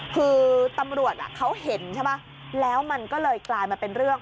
คือตำรวจเขาเห็นใช่ไหมแล้วมันก็เลยกลายมาเป็นเรื่อง